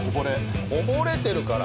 こぼれてるから。